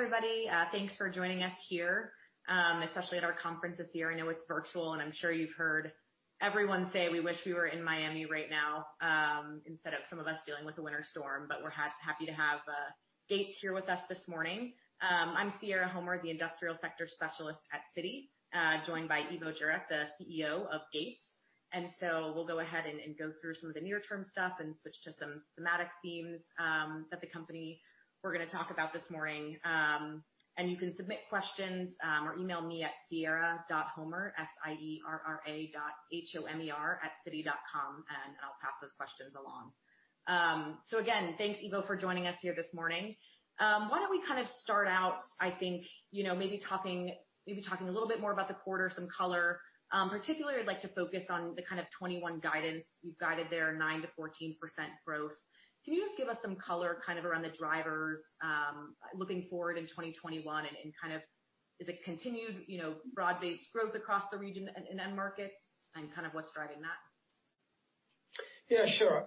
Hi everybody, thanks for joining us here, especially at our conference this year. I know it's virtual, and I'm sure you've heard everyone say, "We wish we were in Miami right now," instead of some of us dealing with a winter storm. We are happy to have Gates here with us this morning. I'm Sierra Homer, the Industrial Sector Specialist at Citi, joined by Ivo Jurek, the CEO of Gates. We will go ahead and go through some of the near-term stuff and switch to some thematic themes that the company we are going to talk about this morning. You can submit questions or email me at sierra. Homer, S-I-E-R-R-A dot H-O-M-E-R @citi.com, and I'll pass those questions along. Again, thanks Ivo for joining us here this morning. Why don't we kind of start out, I think, maybe talking a little bit more about the quarter, some color. Particularly, I'd like to focus on the kind of 2021 guidance. You've guided there a 9%-14% growth. Can you just give us some color kind of around the drivers looking forward in 2021, and kind of is it continued broad-based growth across the region and markets, and kind of what's driving that? Yeah, sure.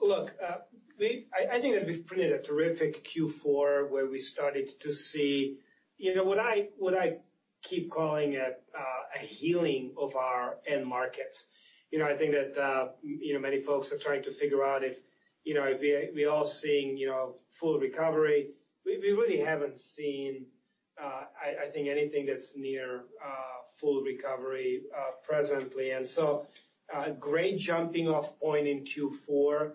Look, I think that we've created a terrific Q4 where we started to see what I keep calling a healing of our end markets. I think that many folks are trying to figure out if we are seeing full recovery. We really haven't seen, I think, anything that's near full recovery presently. A great jumping-off point in Q4.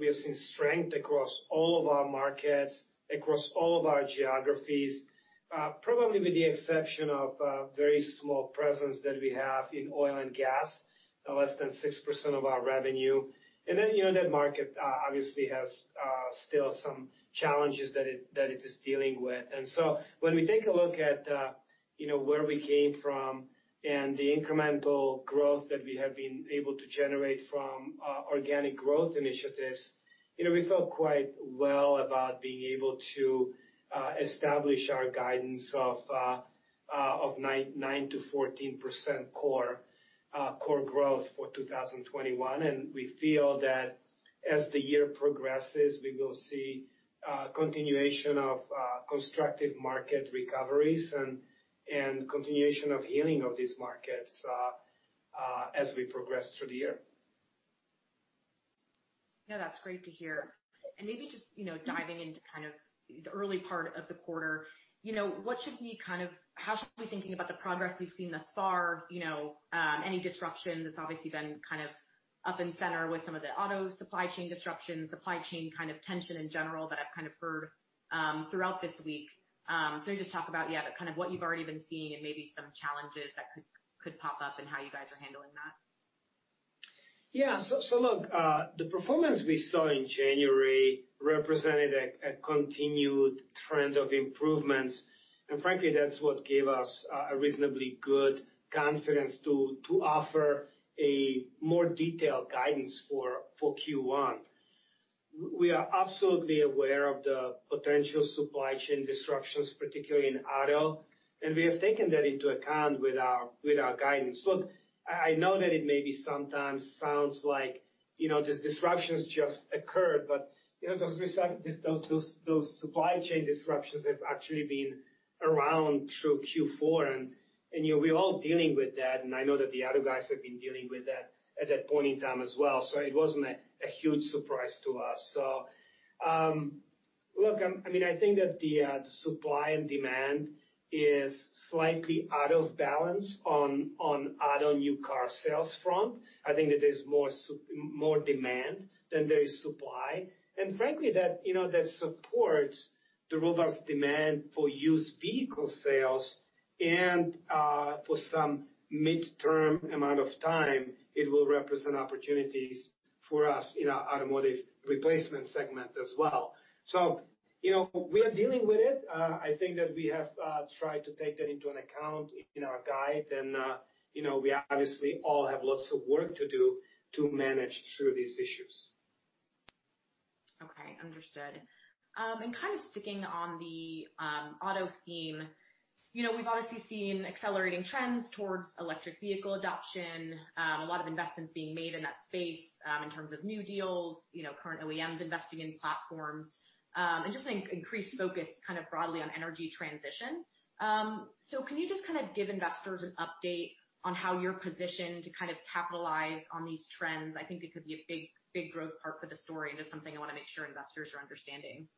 We have seen strength across all of our markets, across all of our geographies, probably with the exception of a very small presence that we have in oil and gas, less than 6% of our revenue. That market obviously has still some challenges that it is dealing with. When we take a look at where we came from and the incremental growth that we have been able to generate from organic growth initiatives, we felt quite well about being able to establish our guidance of 9%-14% core growth for 2021. We feel that as the year progresses, we will see continuation of constructive market recoveries and continuation of healing of these markets as we progress through the year. Yeah, that's great to hear. Maybe just diving into kind of the early part of the quarter, what should we kind of, how should we be thinking about the progress we've seen thus far? Any disruption that's obviously been kind of up and center with some of the auto supply chain disruptions, supply chain kind of tension in general that I've kind of heard throughout this week? Just talk about, yeah, kind of what you've already been seeing and maybe some challenges that could pop up and how you guys are handling that. Yeah. Look, the performance we saw in January represented a continued trend of improvements. Frankly, that is what gave us a reasonably good confidence to offer a more detailed guidance for Q1. We are absolutely aware of the potential supply chain disruptions, particularly in auto, and we have taken that into account with our guidance. I know that it maybe sometimes sounds like these disruptions just occurred, but those supply chain disruptions have actually been around through Q4, and we are all dealing with that. I know that the auto guys have been dealing with that at that point in time as well. It was not a huge surprise to us. I think that the supply and demand is slightly out of balance on auto new car sales front. I think that there is more demand than there is supply. Frankly, that supports the robust demand for used vehicle sales. For some midterm amount of time, it will represent opportunities for us in our automotive replacement segment as well. We are dealing with it. I think that we have tried to take that into account in our guide, and we obviously all have lots of work to do to manage through these issues. Okay, understood. Kind of sticking on the auto theme, we've obviously seen accelerating trends towards electric vehicle adoption, a lot of investments being made in that space in terms of new deals, current OEMs investing in platforms, and just an increased focus kind of broadly on energy transition. Can you just kind of give investors an update on how you're positioned to kind of capitalize on these trends? I think it could be a big growth part for the story, and it's something I want to make sure investors are understanding.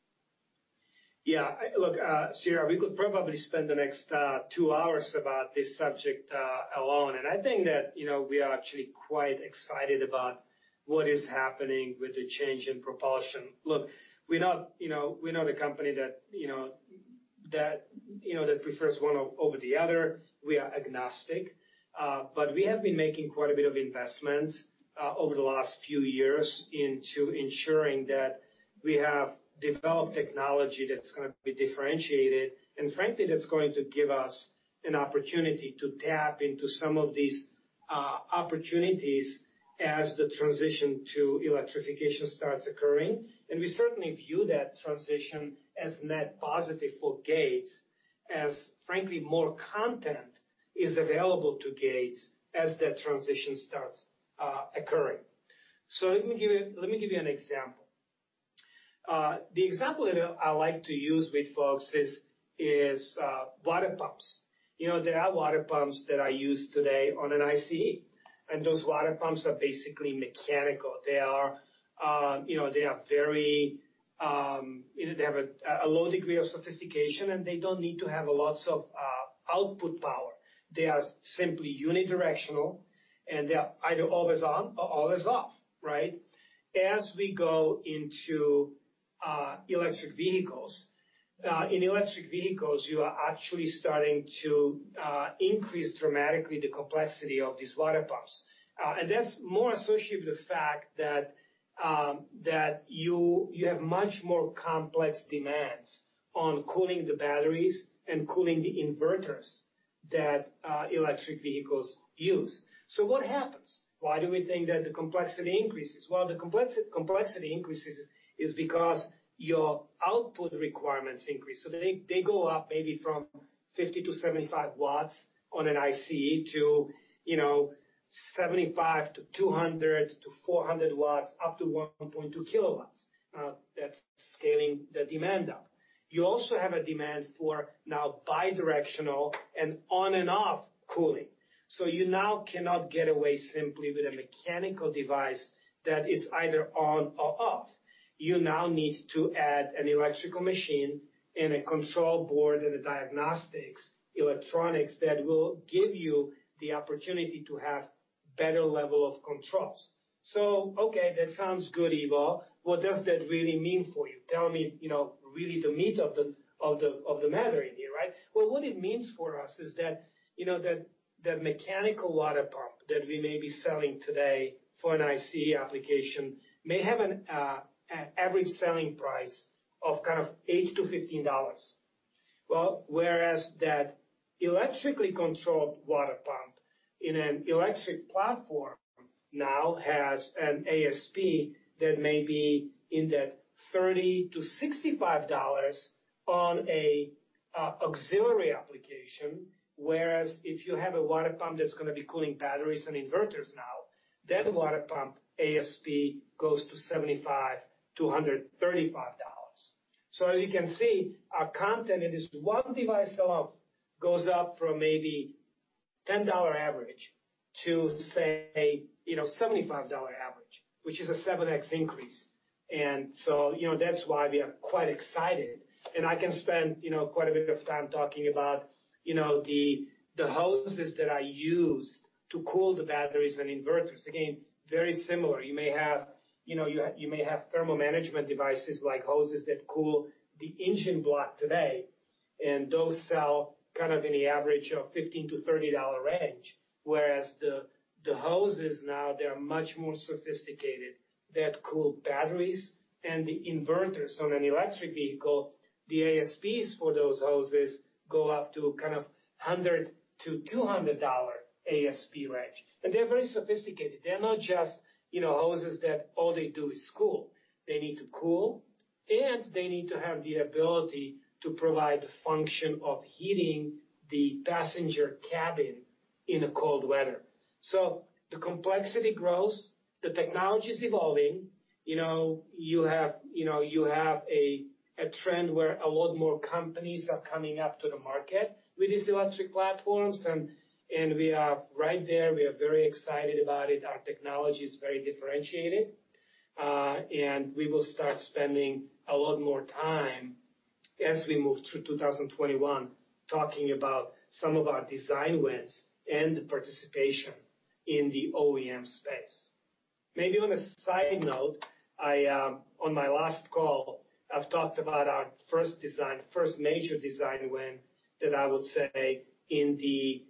Yeah. Look, Sierra, we could probably spend the next two hours about this subject alone. I think that we are actually quite excited about what is happening with the change in propulsion. Look, we're not a company that prefers one over the other. We are agnostic. We have been making quite a bit of investments over the last few years into ensuring that we have developed technology that's going to be differentiated. Frankly, that's going to give us an opportunity to tap into some of these opportunities as the transition to electrification starts occurring. We certainly view that transition as net positive for Gates, as frankly, more content is available to Gates as that transition starts occurring. Let me give you an example. The example that I like to use with folks is water pumps. There are water pumps that are used today on an ICE, and those water pumps are basically mechanical. They are very—they have a low degree of sophistication, and they do not need to have lots of output power. They are simply unidirectional, and they are either always on or always off, right? As we go into electric vehicles, in electric vehicles, you are actually starting to increase dramatically the complexity of these water pumps. That is more associated with the fact that you have much more complex demands on cooling the batteries and cooling the inverters that electric vehicles use. What happens? Why do we think that the complexity increases? The complexity increases because your output requirements increase. They go up maybe from 50 W-75 W on an ICE to 75 W, 200 W, 400 W, up to 1.2 kW. That is scaling the demand up. You also have a demand for now bidirectional and on-and-off cooling. You now cannot get away simply with a mechanical device that is either on or off. You now need to add an electrical machine and a control board and the diagnostics electronics that will give you the opportunity to have better level of controls. That sounds good, Ivo. What does that really mean for you? Tell me really the meat of the matter in here, right? What it means for us is that that mechanical water pump that we may be selling today for an ICE application may have an average selling price of kind of $8-$15. Whereas that electrically controlled water pump in an electric platform now has an ASP that may be in that $30-$65 on an auxiliary application, whereas if you have a water pump that is going to be cooling batteries and inverters now, that water pump ASP goes to $75-$135. As you can see, our content in this one device alone goes up from maybe $10 average to, say, $75 average, which is a 7x increase. That is why we are quite excited. I can spend quite a bit of time talking about the hoses that are used to cool the batteries and inverters. Again, very similar. You may have thermal management devices like hoses that cool the engine block today, and those sell kind of in the average of $15-$30 range. Whereas the hoses now, they are much more sophisticated. That cool batteries and the inverters on an electric vehicle, the ASPs for those hoses go up to kind of $100-$200 ASP range. They are very sophisticated. They are not just hoses that all they do is cool. They need to cool, and they need to have the ability to provide the function of heating the passenger cabin in cold weather. The complexity grows, the technology is evolving. You have a trend where a lot more companies are coming up to the market with these electric platforms. We are right there. We are very excited about it. Our technology is very differentiated. We will start spending a lot more time as we move through 2021 talking about some of our design wins and the participation in the OEM space. Maybe on a side note, on my last call, I've talked about our first major design win that I would say in the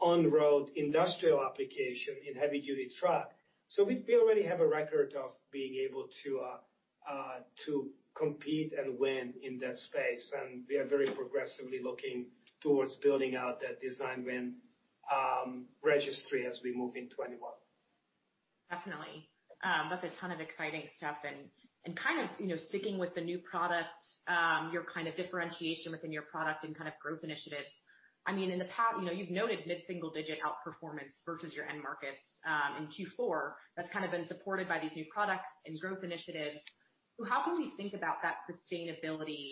on-road industrial application in heavy-duty truck. We already have a record of being able to compete and win in that space. We are very progressively looking towards building out that design win registry as we move in 2021. Definitely. That's a ton of exciting stuff. Kind of sticking with the new product, your kind of differentiation within your product and kind of growth initiatives. I mean, in the past, you've noted mid-single digit outperformance versus your end markets in Q4. That's kind of been supported by these new products and growth initiatives. How can we think about that sustainability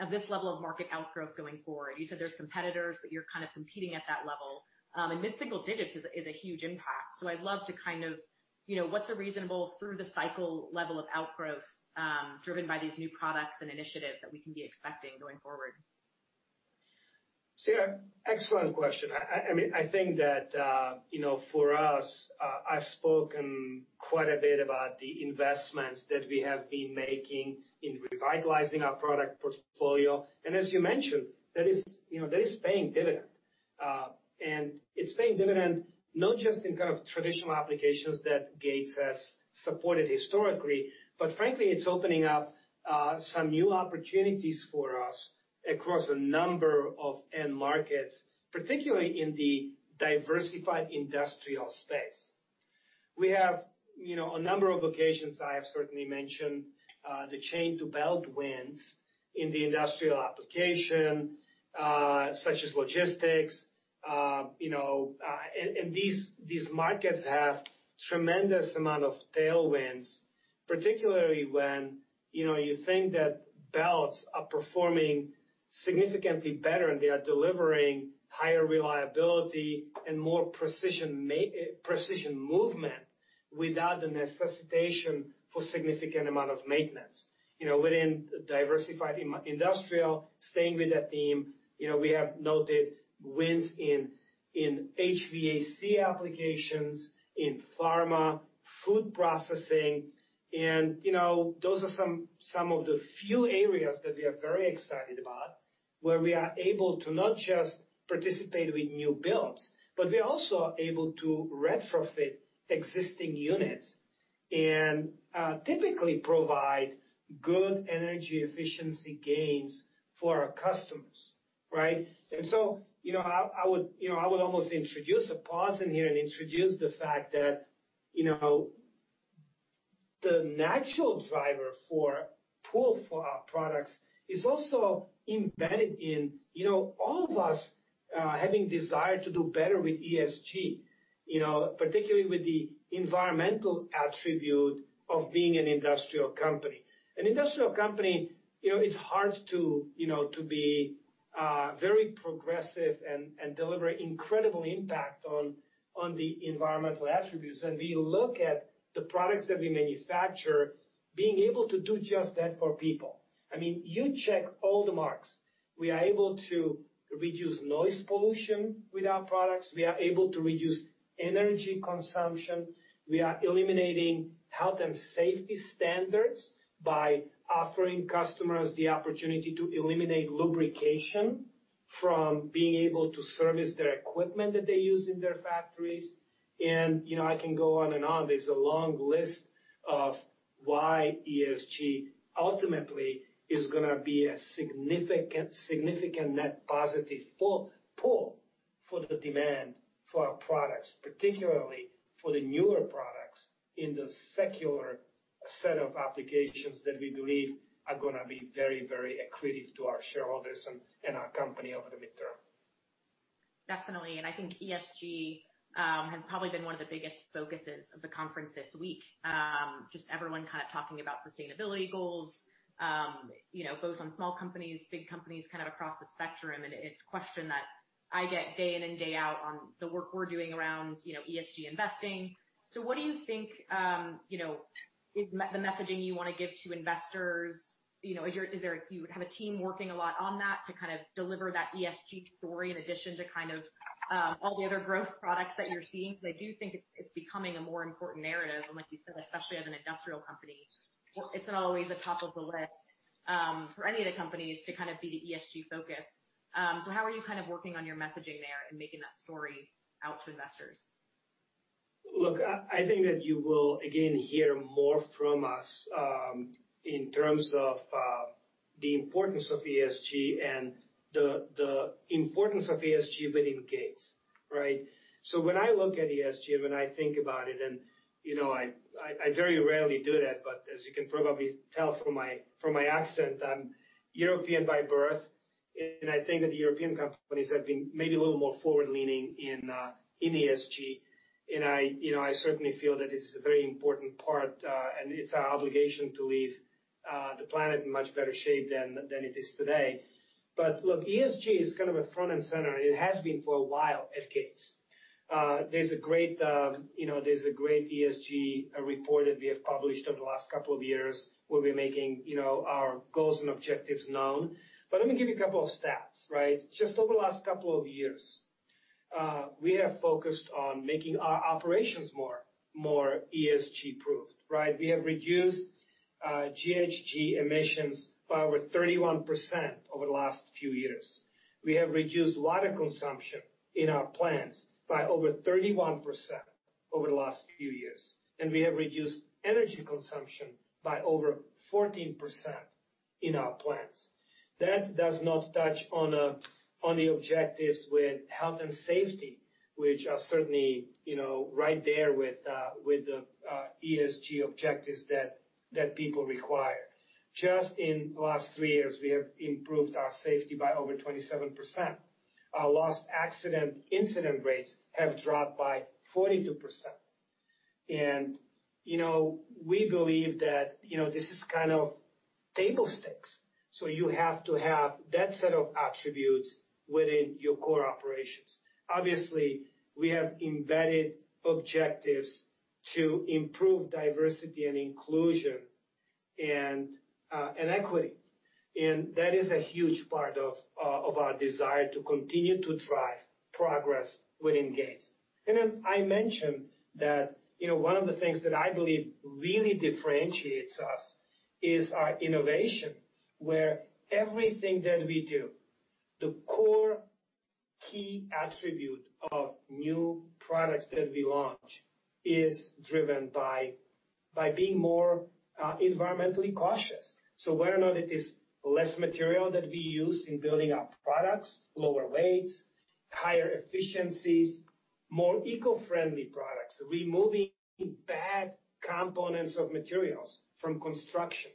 of this level of market outgrowth going forward? You said there's competitors, but you're kind of competing at that level. Mid-single digits is a huge impact. I'd love to kind of know what's a reasonable through-the-cycle level of outgrowth driven by these new products and initiatives that we can be expecting going forward? Sierra, excellent question. I mean, I think that for us, I've spoken quite a bit about the investments that we have been making in revitalizing our product portfolio. As you mentioned, that is paying dividend. It is paying dividend not just in kind of traditional applications that Gates has supported historically, but frankly, it is opening up some new opportunities for us across a number of end markets, particularly in the diversified industrial space. We have a number of occasions I have certainly mentioned the chain-to-belt wins in the industrial application, such as logistics. These markets have a tremendous amount of tailwinds, particularly when you think that belts are performing significantly better and they are delivering higher reliability and more precision movement without the necessitation for a significant amount of maintenance. Within diversified industrial, staying with that theme, we have noted wins in HVAC applications, in pharma, food processing. Those are some of the few areas that we are very excited about where we are able to not just participate with new builds, but we are also able to retrofit existing units and typically provide good energy efficiency gains for our customers, right? I would almost introduce a pause in here and introduce the fact that the natural driver for pull for our products is also embedded in all of us having desire to do better with ESG, particularly with the environmental attribute of being an industrial company. An industrial company, it's hard to be very progressive and deliver incredible impact on the environmental attributes. We look at the products that we manufacture being able to do just that for people. I mean, you check all the marks. We are able to reduce noise pollution with our products. We are able to reduce energy consumption. We are eliminating health and safety standards by offering customers the opportunity to eliminate lubrication from being able to service their equipment that they use in their factories. I can go on and on. There is a long list of why ESG ultimately is going to be a significant net positive pull for the demand for our products, particularly for the newer products in the secular set of applications that we believe are going to be very, very accretive to our shareholders and our company over the midterm. Definitely. I think ESG has probably been one of the biggest focuses of the conference this week, just everyone kind of talking about sustainability goals, both on small companies, big companies kind of across the spectrum. It is a question that I get day in and day out on the work we are doing around ESG investing. What do you think is the messaging you want to give to investors? Do you have a team working a lot on that to kind of deliver that ESG story in addition to kind of all the other growth products that you are seeing? I do think it is becoming a more important narrative. Like you said, especially as an industrial company, it is not always the top of the list for any of the companies to kind of be the ESG focus. How are you kind of working on your messaging there and making that story out to investors? Look, I think that you will, again, hear more from us in terms of the importance of ESG and the importance of ESG within Gates, right? When I look at ESG and when I think about it, and I very rarely do that, but as you can probably tell from my accent, I'm European by birth. I think that the European companies have been maybe a little more forward-leaning in ESG. I certainly feel that it's a very important part, and it's our obligation to leave the planet in much better shape than it is today. Look, ESG is kind of front and center. It has been for a while at Gates. There's a great ESG report that we have published over the last couple of years where we're making our goals and objectives known. Let me give you a couple of stats, right? Just over the last couple of years, we have focused on making our operations more ESG-proofed, right? We have reduced GHG emissions by over 31% over the last few years. We have reduced water consumption in our plants by over 31% over the last few years. We have reduced energy consumption by over 14% in our plants. That does not touch on the objectives with health and safety, which are certainly right there with the ESG objectives that people require. Just in the last three years, we have improved our safety by over 27%. Our lost time accident incident rates have dropped by 42%. We believe that this is kind of table stakes. You have to have that set of attributes within your core operations. Obviously, we have embedded objectives to improve diversity and inclusion and equity. That is a huge part of our desire to continue to drive progress within Gates. I mentioned that one of the things that I believe really differentiates us is our innovation, where everything that we do, the core key attribute of new products that we launch is driven by being more environmentally cautious. Whether or not it is less material that we use in building our products, lower weights, higher efficiencies, more eco-friendly products, removing bad components of materials from construction.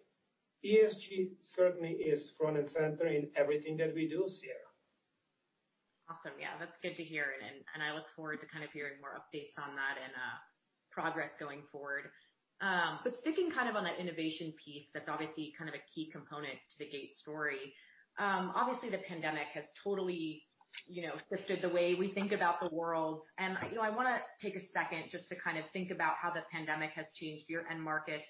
ESG certainly is front and center in everything that we do, Sierra. Awesome. Yeah, that's good to hear. I look forward to kind of hearing more updates on that and progress going forward. Sticking kind of on that innovation piece that's obviously kind of a key component to the Gates story, obviously the pandemic has totally shifted the way we think about the world. I want to take a second just to kind of think about how the pandemic has changed your end markets.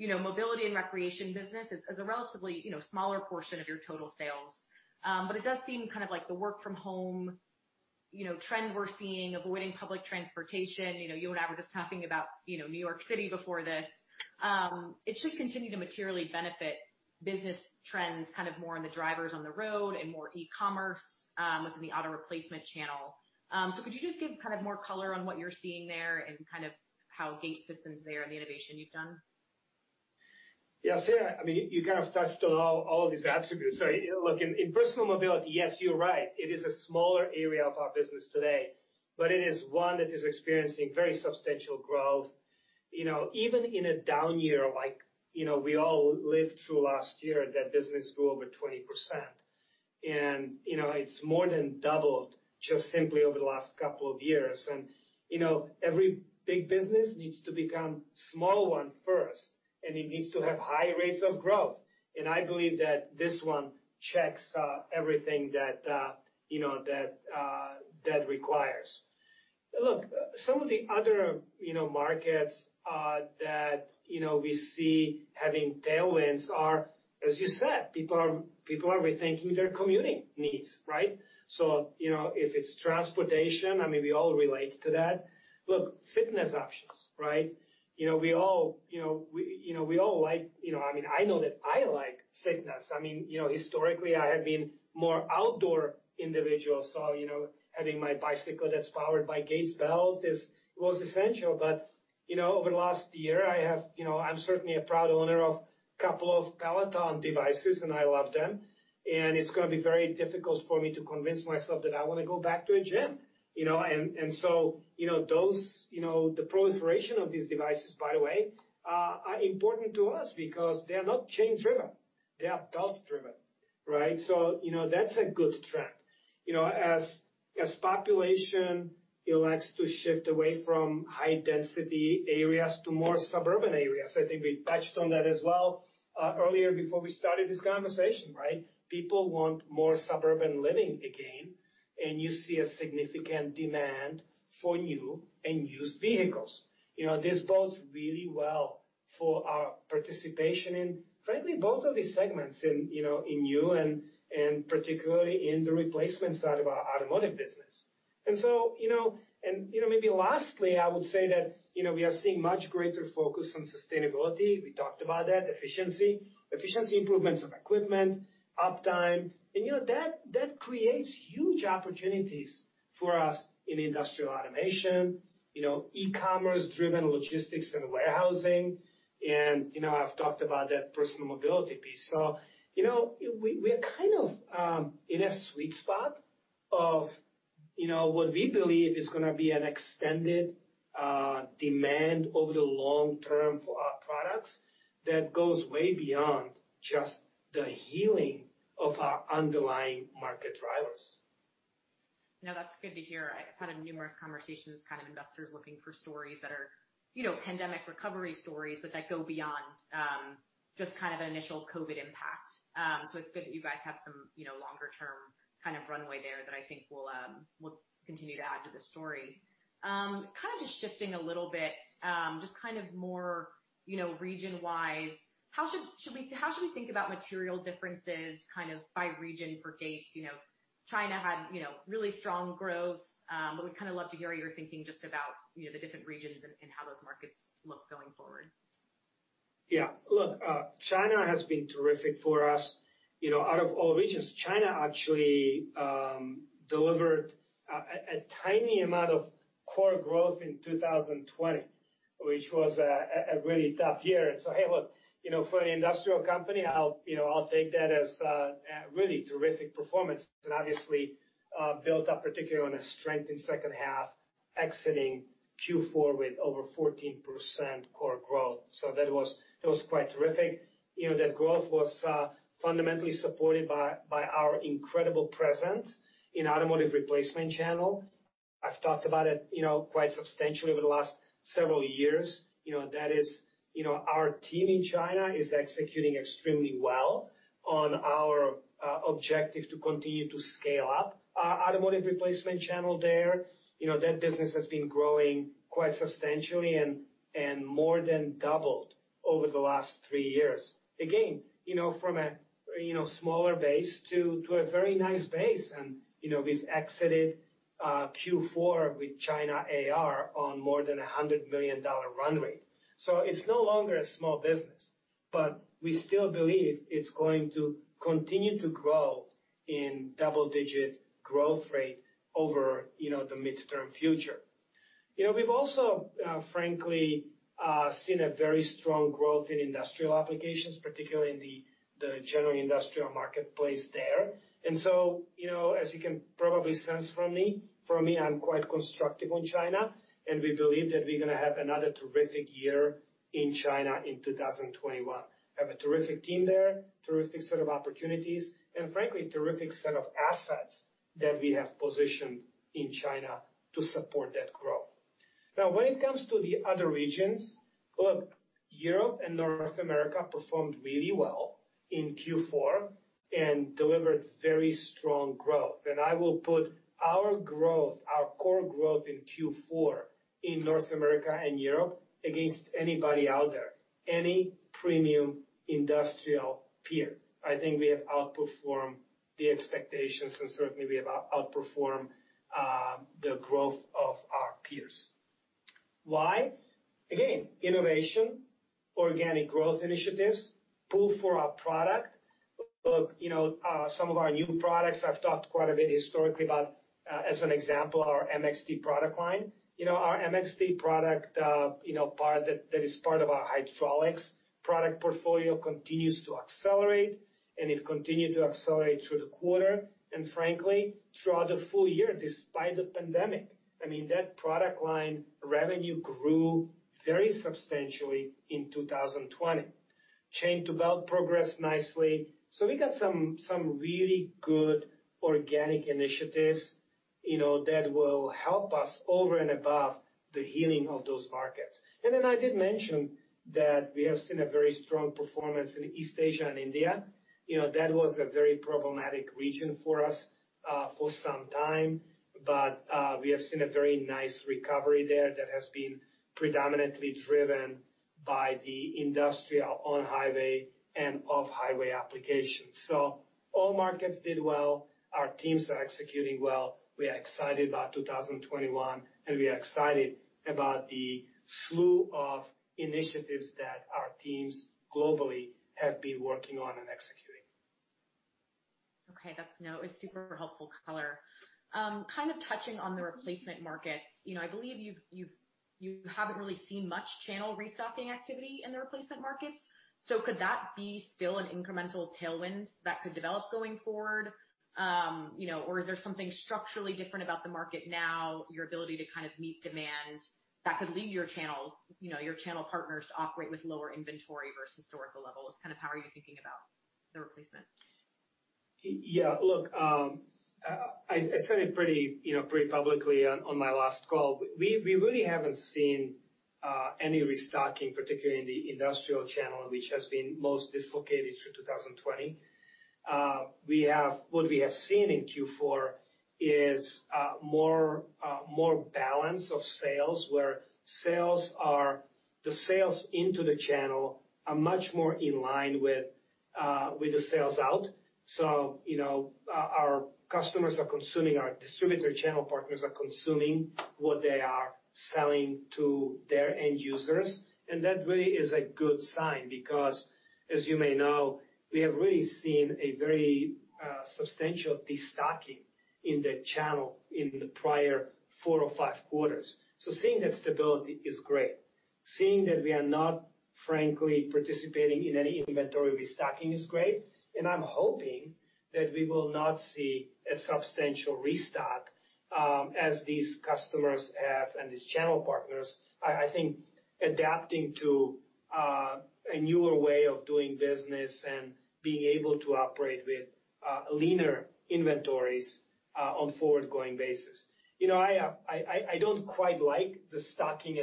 Mobility and recreation business is a relatively smaller portion of your total sales. It does seem kind of like the work-from-home trend we're seeing, avoiding public transportation. You and I were just talking about New York City before this. It should continue to materially benefit business trends, kind of more on the drivers on the road and more e-commerce within the auto replacement channel. Could you just give kind of more color on what you're seeing there and kind of how Gates fits into there and the innovation you've done? Yeah, Sierra, I mean, you kind of touched on all of these attributes. In personal mobility, yes, you're right. It is a smaller area of our business today, but it is one that is experiencing very substantial growth. Even in a down year, like we all lived through last year, that business grew over 20%. It has more than doubled just simply over the last couple of years. Every big business needs to become a small one first, and it needs to have high rates of growth. I believe that this one checks everything that that requires. Some of the other markets that we see having tailwinds are, as you said, people are rethinking their commuting needs, right? If it's transportation, I mean, we all relate to that. Fitness options, right? We all like, I mean, I know that I like fitness. I mean, historically, I have been a more outdoor individual. Having my bicycle that's powered by Gates belt was essential. Over the last year, I'm certainly a proud owner of a couple of Peloton devices, and I love them. It's going to be very difficult for me to convince myself that I want to go back to a gym. The proliferation of these devices, by the way, are important to us because they are not chain-driven. They are belt-driven, right? That's a good trend. As population elects to shift away from high-density areas to more suburban areas, I think we touched on that as well earlier before we started this conversation, right? People want more suburban living again. You see a significant demand for new and used vehicles. This bodes really well for our participation in, frankly, both of these segments in new and particularly in the replacement side of our automotive business. Maybe lastly, I would say that we are seeing much greater focus on sustainability. We talked about that, efficiency, efficiency improvements of equipment, uptime. That creates huge opportunities for us in industrial automation, e-commerce-driven logistics and warehousing. I have talked about that personal mobility piece. We are kind of in a sweet spot of what we believe is going to be an extended demand over the long term for our products that goes way beyond just the healing of our underlying market drivers. No, that's good to hear. I've had numerous conversations with kind of investors looking for stories that are pandemic recovery stories that go beyond just kind of an initial COVID impact. It's good that you guys have some longer-term kind of runway there that I think will continue to add to the story. Kind of just shifting a little bit, just kind of more region-wise, how should we think about material differences kind of by region for Gates? China had really strong growth. We'd kind of love to hear your thinking just about the different regions and how those markets look going forward. Yeah. Look, China has been terrific for us. Out of all regions, China actually delivered a tiny amount of core growth in 2020, which was a really tough year. Hey, look, for an industrial company, I'll take that as really terrific performance. Obviously, built up particularly on a strength in second half, exiting Q4 with over 14% core growth. That was quite terrific. That growth was fundamentally supported by our incredible presence in the automotive replacement channel. I've talked about it quite substantially over the last several years. That is, our team in China is executing extremely well on our objective to continue to scale up our automotive replacement channel there. That business has been growing quite substantially and more than doubled over the last three years. Again, from a smaller base to a very nice base. We have exited Q4 with China AR on more than a $100 million run rate. It is no longer a small business, but we still believe it is going to continue to grow at a double-digit growth rate over the midterm future. We have also, frankly, seen very strong growth in industrial applications, particularly in the general industrial marketplace there. As you can probably sense from me, I am quite constructive on China. We believe that we are going to have another terrific year in China in 2021. We have a terrific team there, a terrific set of opportunities, and, frankly, a terrific set of assets that we have positioned in China to support that growth. When it comes to the other regions, Europe and North America performed really well in Q4 and delivered very strong growth. I will put our growth, our core growth in Q4 in North America and Europe against anybody out there, any premium industrial peer. I think we have outperformed the expectations, and certainly, we have outperformed the growth of our peers. Why? Again, innovation, organic growth initiatives, pull for our product. Look, some of our new products, I have talked quite a bit historically about, as an example, our MXG product line. Our MXG product part that is part of our hydraulics product portfolio continues to accelerate. It continued to accelerate through the quarter and, frankly, throughout the full year, despite the pandemic. I mean, that product line revenue grew very substantially in 2020. Chain-to-belt progressed nicely. We got some really good organic initiatives that will help us over and above the healing of those markets. I did mention that we have seen a very strong performance in East Asia and India. That was a very problematic region for us for some time. We have seen a very nice recovery there that has been predominantly driven by the industrial on-highway and off-highway applications. All markets did well. Our teams are executing well. We are excited about 2021, and we are excited about the slew of initiatives that our teams globally have been working on and executing. Okay. That's super helpful color. Kind of touching on the replacement markets, I believe you haven't really seen much channel restocking activity in the replacement markets. Could that be still an incremental tailwind that could develop going forward? Is there something structurally different about the market now, your ability to kind of meet demand that could lead your channel partners to operate with lower inventory versus historical levels? Kind of how are you thinking about the replacement? Yeah. Look, I said it pretty publicly on my last call. We really have not seen any restocking, particularly in the industrial channel, which has been most dislocated through 2020. What we have seen in Q4 is more balance of sales, where the sales into the channel are much more in line with the sales out. Our customers are consuming, our distributor channel partners are consuming what they are selling to their end users. That really is a good sign because, as you may know, we have really seen a very substantial destocking in the channel in the prior four or five quarters. Seeing that stability is great. Seeing that we are not, frankly, participating in any inventory restocking is great. I'm hoping that we will not see a substantial restock as these customers have and these channel partners, I think, adapting to a newer way of doing business and being able to operate with leaner inventories on a forward-going basis. I do not quite like the restocking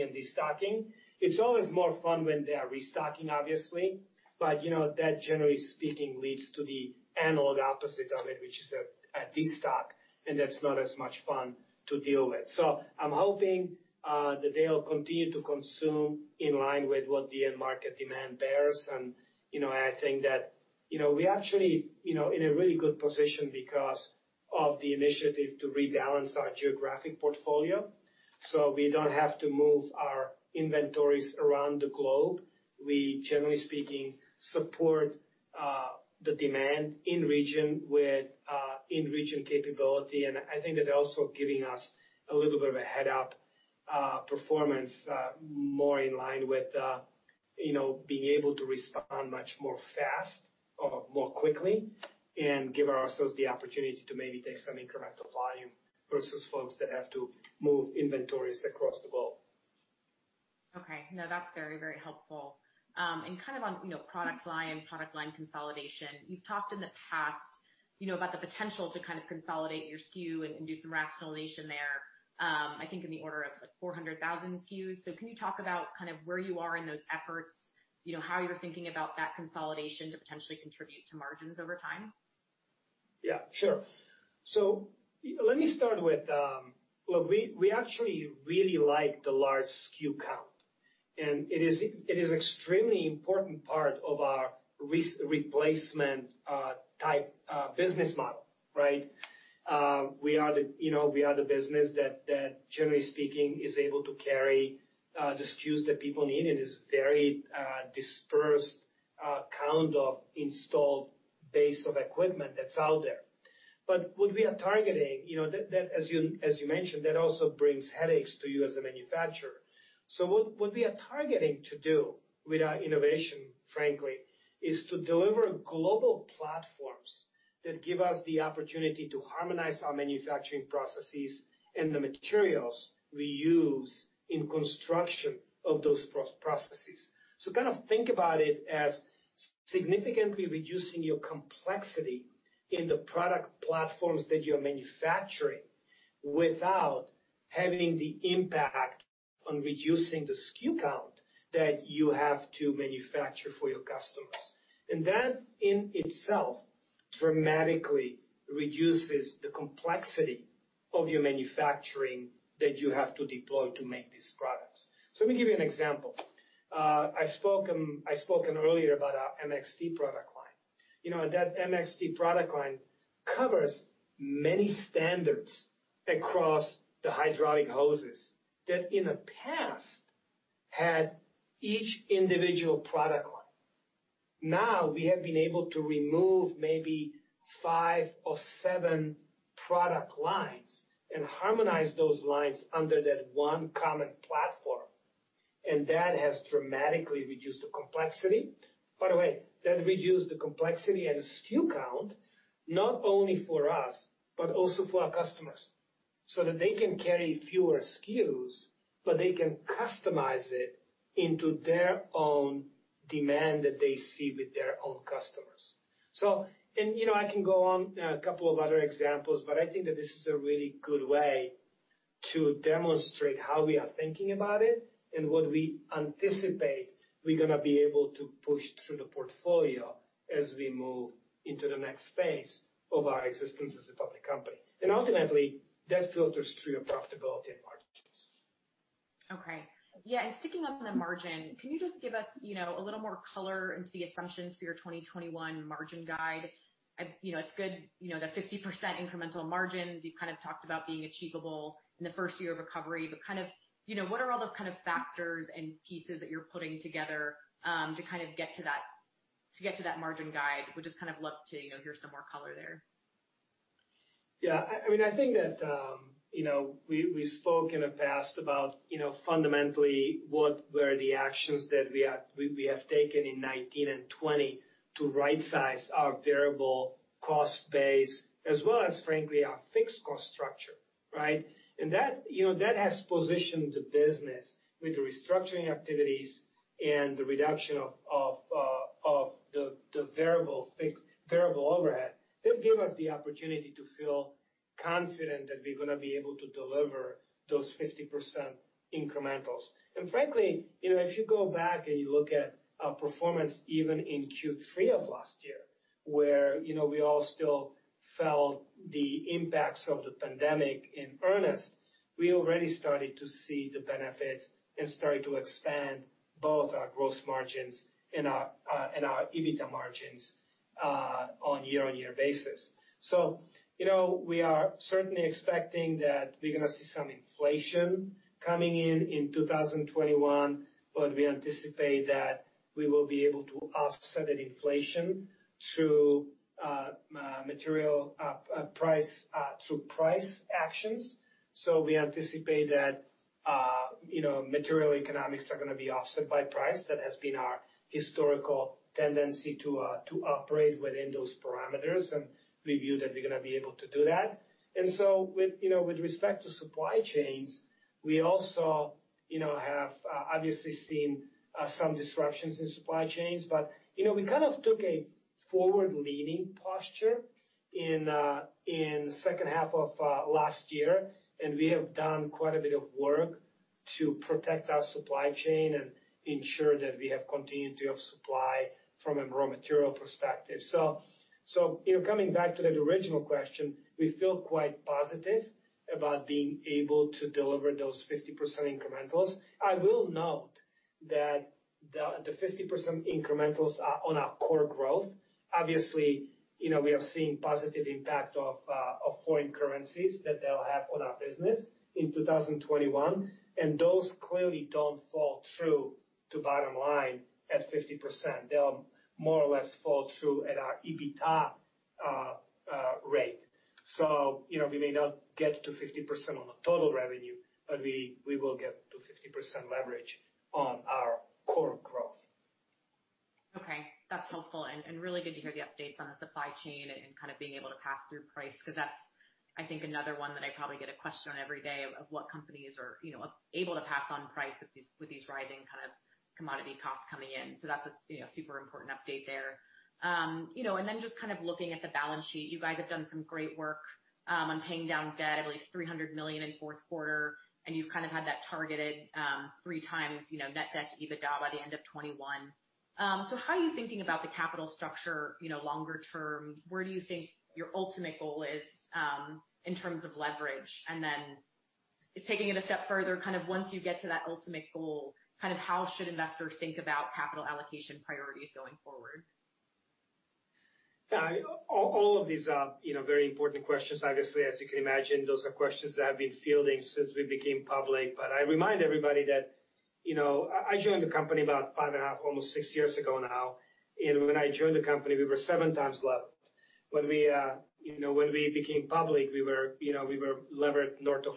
and destocking. It's always more fun when they are restocking, obviously. That, generally speaking, leads to the analog opposite of it, which is a destock, and that's not as much fun to deal with. I'm hoping that they'll continue to consume in line with what the end market demand bears. I think that we actually are in a really good position because of the initiative to rebalance our geographic portfolio. We do not have to move our inventories around the globe. We, generally speaking, support the demand in region with in-region capability. I think that also giving us a little bit of a head-up performance more in line with being able to respond much more fast or more quickly and give ourselves the opportunity to maybe take some incorrect volume versus folks that have to move inventories across the globe. Okay. No, that's very, very helpful. And kind of on product line and product line consolidation, you've talked in the past about the potential to kind of consolidate your SKU and do some rationalization there, I think in the order of 400,000 SKUs. So can you talk about kind of where you are in those efforts, how you're thinking about that consolidation to potentially contribute to margins over time? Yeah, sure. Let me start with, look, we actually really like the large SKU count. It is an extremely important part of our replacement-type business model, right? We are the business that, generally speaking, is able to carry the SKUs that people need and it is a very dispersed count of installed base of equipment that's out there. What we are targeting, as you mentioned, that also brings headaches to you as a manufacturer. What we are targeting to do with our innovation, frankly, is to deliver global platforms that give us the opportunity to harmonize our manufacturing processes and the materials we use in construction of those processes. Kind of think about it as significantly reducing your complexity in the product platforms that you're manufacturing without having the impact on reducing the SKU count that you have to manufacture for your customers. That in itself dramatically reduces the complexity of your manufacturing that you have to deploy to make these products. Let me give you an example. I spoke earlier about our MXG product line. That MXG product line covers many standards across the hydraulic hoses that in the past had each individual product line. Now we have been able to remove maybe five or seven product lines and harmonize those lines under that one common platform. That has dramatically reduced the complexity. By the way, that reduced the complexity and SKU count not only for us, but also for our customers so that they can carry fewer SKUs, but they can customize it into their own demand that they see with their own customers. I can go on a couple of other examples, but I think that this is a really good way to demonstrate how we are thinking about it and what we anticipate we're going to be able to push through the portfolio as we move into the next phase of our existence as a public company. Ultimately, that filters through your profitability and margins. Okay. Yeah. Sticking on the margin, can you just give us a little more color into the assumptions for your 2021 margin guide? It's good that 50% incremental margins. You've kind of talked about being achievable in the first year of recovery. What are all those factors and pieces that you're putting together to get to that margin guide? We'd just love to hear some more color there. Yeah. I mean, I think that we spoke in the past about fundamentally what were the actions that we have taken in 2019 and 2020 to right-size our variable cost base, as well as, frankly, our fixed cost structure, right? That has positioned the business with the restructuring activities and the reduction of the variable overhead. That gave us the opportunity to feel confident that we're going to be able to deliver those 50% incrementals. Frankly, if you go back and you look at our performance even in Q3 of last year, where we all still felt the impacts of the pandemic in earnest, we already started to see the benefits and started to expand both our gross margins and our EBITDA margins on a year-on-year basis. We are certainly expecting that we're going to see some inflation coming in in 2021, but we anticipate that we will be able to offset that inflation through price actions. We anticipate that material economics are going to be offset by price. That has been our historical tendency to operate within those parameters. We view that we're going to be able to do that. With respect to supply chains, we also have obviously seen some disruptions in supply chains. We kind of took a forward-leaning posture in the second half of last year. We have done quite a bit of work to protect our supply chain and ensure that we have continuity of supply from a raw material perspective. Coming back to that original question, we feel quite positive about being able to deliver those 50% incrementals. I will note that the 50% incrementals are on our core growth. Obviously, we are seeing positive impact of foreign currencies that they will have on our business in 2021. Those clearly do not fall true to bottom line at 50%. They will more or less fall true at our EBITDA rate. We may not get to 50% on the total revenue, but we will get to 50% leverage on our core growth. Okay. That's helpful. Really good to hear the updates on the supply chain and kind of being able to pass through price because that's, I think, another one that I probably get a question on every day of what companies are able to pass on price with these rising kind of commodity costs coming in. That's a super important update there. Just kind of looking at the balance sheet, you guys have done some great work on paying down debt, I believe, $300 million in fourth quarter. You've kind of had that targeted 3x net debt to EBITDA by the end of 2021. How are you thinking about the capital structure longer term? Where do you think your ultimate goal is in terms of leverage? Taking it a step further, kind of once you get to that ultimate goal, kind of how should investors think about capital allocation priorities going forward? All of these are very important questions. Obviously, as you can imagine, those are questions that have been fielding since we became public. I remind everybody that I joined the company about five and a half, almost six years ago now. When I joined the company, we were 7x levered. When we became public, we were levered north of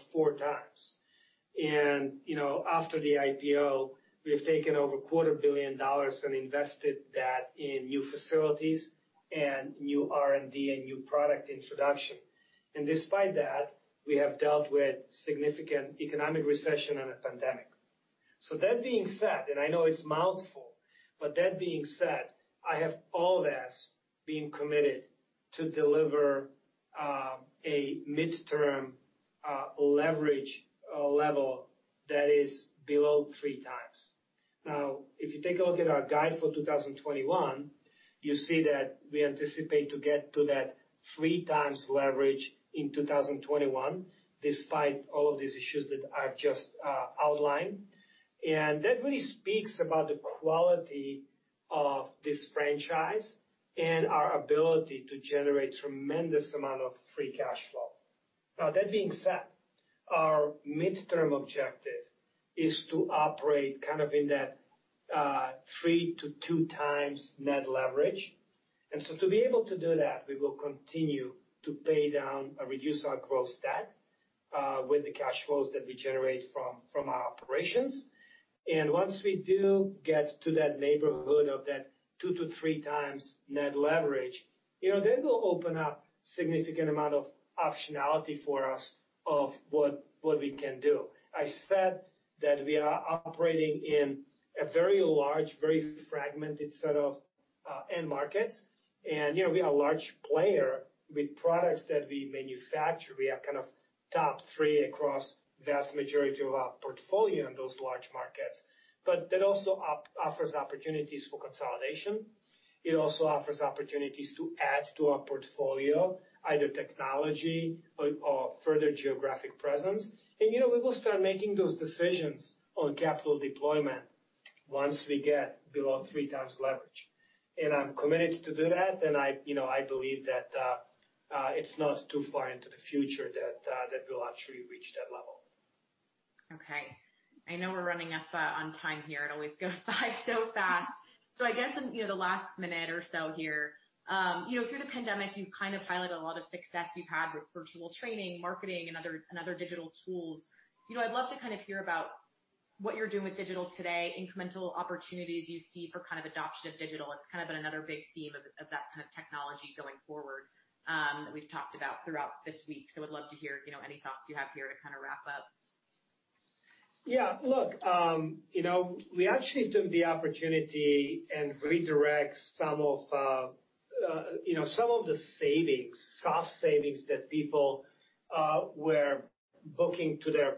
4x. After the IPO, we have taken over a quarter billion dollars and invested that in new facilities and new R&D and new product introduction. Despite that, we have dealt with significant economic recession and a pandemic. That being said, and I know it is a mouthful, that being said, I have all this being committed to deliver a midterm leverage level that is below 3x. Now, if you take a look at our guide for 2021, you see that we anticipate to get to that 3x leverage in 2021 despite all of these issues that I've just outlined. That really speaks about the quality of this franchise and our ability to generate a tremendous amount of free cash flow. That being said, our midterm objective is to operate kind of in that 3x-2x net leverage. To be able to do that, we will continue to pay down or reduce our gross debt with the cash flows that we generate from our operations. Once we do get to that neighborhood of that 2x-3x net leverage, that will open up a significant amount of optionality for us of what we can do. I said that we are operating in a very large, very fragmented set of end markets. We are a large player with products that we manufacture. We are kind of top three across the vast majority of our portfolio in those large markets. That also offers opportunities for consolidation. It also offers opportunities to add to our portfolio, either technology or further geographic presence. We will start making those decisions on capital deployment once we get below 3x leverage. I'm committed to do that. I believe that it's not too far into the future that we'll actually reach that level. Okay. I know we're running up on time here. It always goes by so fast. I guess in the last minute or so here, through the pandemic, you've kind of highlighted a lot of success. You've had virtual training, marketing, and other digital tools. I'd love to kind of hear about what you're doing with digital today, incremental opportunities you see for kind of adoption of digital. It's kind of been another big theme of that kind of technology going forward that we've talked about throughout this week. I'd love to hear any thoughts you have here to kind of wrap up. Yeah. Look, we actually took the opportunity and redirect some of the savings, soft savings that people were booking to their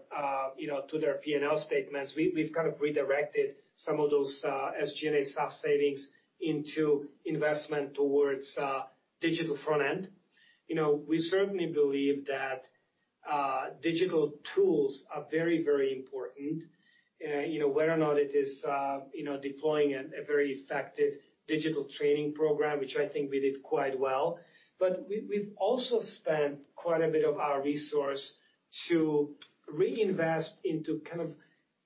P&L statements. We've kind of redirected some of those SG&A soft savings into investment towards digital front end. We certainly believe that digital tools are very, very important, whether or not it is deploying a very effective digital training program, which I think we did quite well. We have also spent quite a bit of our resource to reinvest into kind of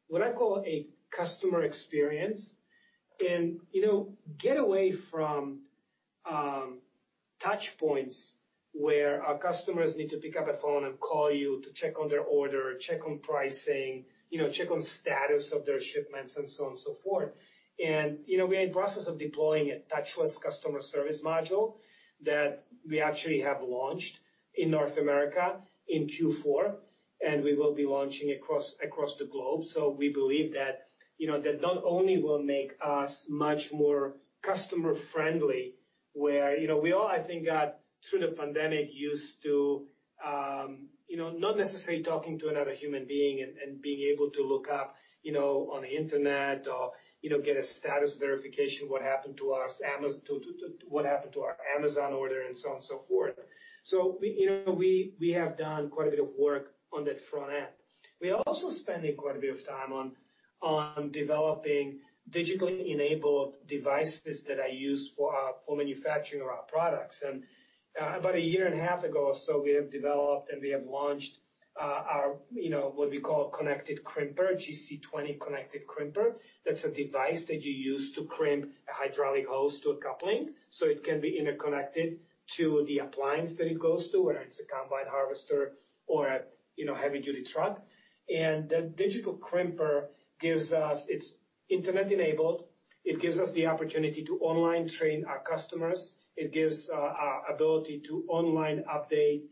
what I call a customer experience and get away from touch points where our customers need to pick up a phone and call you to check on their order, check on pricing, check on status of their shipments, and so on and so forth. We are in the process of deploying a touchless customer service module that we actually have launched in North America in Q4. We will be launching across the globe. We believe that that not only will make us much more customer-friendly, where we all, I think, got through the pandemic used to not necessarily talking to another human being and being able to look up on the internet or get a status verification, what happened to our Amazon order, and so on and so forth. We have done quite a bit of work on that front end. We are also spending quite a bit of time on developing digitally enabled devices that are used for manufacturing of our products. About a year and a half ago or so, we have developed and we have launched our what we call Connected Crimper, GC20 Connected Crimper. That's a device that you use to crimp a hydraulic hose to a coupling. It can be interconnected to the appliance that it goes to, whether it's a combine harvester or a heavy-duty truck. That digital crimper is internet-enabled. It gives us the opportunity to online train our customers. It gives us the ability to online update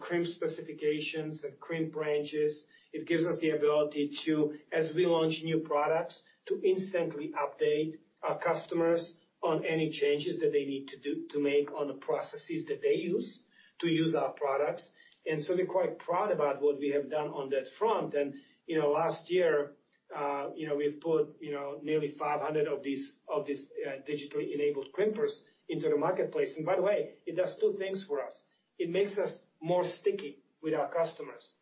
crimp specifications and crimp ranges. It gives us the ability to, as we launch new products, instantly update our customers on any changes that they need to make on the processes that they use to use our products. We are quite proud about what we have done on that front. Last year, we put nearly 500 of these digitally enabled crimpers into the marketplace. By the way, it does two things for us. It makes us more sticky with our customers.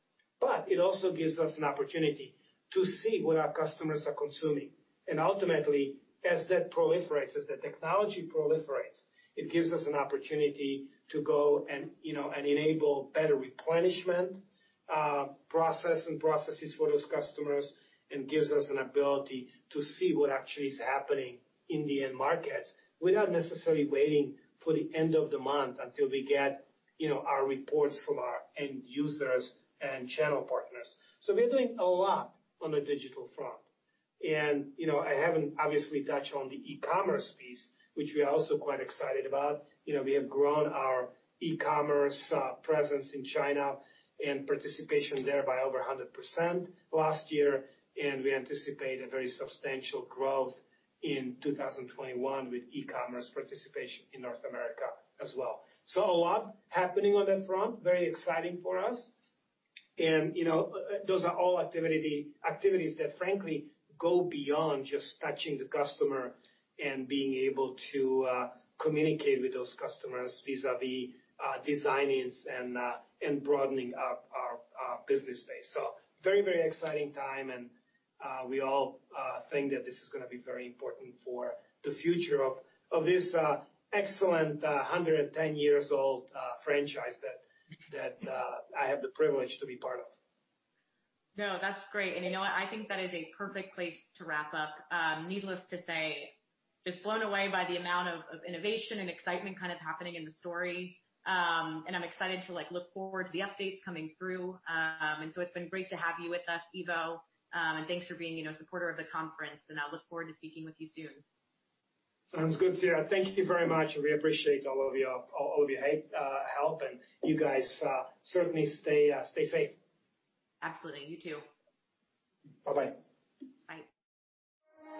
It also gives us an opportunity to see what our customers are consuming. Ultimately, as that proliferates, as the technology proliferates, it gives us an opportunity to go and enable better replenishment process and processes for those customers and gives us an ability to see what actually is happening in the end markets without necessarily waiting for the end of the month until we get our reports from our end users and channel partners. We are doing a lot on the digital front. I have not obviously touched on the e-commerce piece, which we are also quite excited about. We have grown our e-commerce presence in China and participation there by over 100% last year. We anticipate a very substantial growth in 2021 with e-commerce participation in North America as well. A lot is happening on that front, very exciting for us. Those are all activities that, frankly, go beyond just touching the customer and being able to communicate with those customers vis-à-vis designing and broadening up our business base. Very, very exciting time. We all think that this is going to be very important for the future of this excellent 110-year-old franchise that I have the privilege to be part of. No, that's great. I think that is a perfect place to wrap up. Needless to say, just blown away by the amount of innovation and excitement kind of happening in the story. I am excited to look forward to the updates coming through. It has been great to have you with us, Ivo. Thanks for being a supporter of the conference. I look forward to speaking with you soon. Sounds good, Sierra. Thank you very much. We appreciate all of your help. You guys certainly stay safe. Absolutely. You too. Bye-bye. Bye.